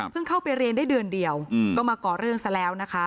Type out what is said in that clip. เข้าไปเรียนได้เดือนเดียวก็มาก่อเรื่องซะแล้วนะคะ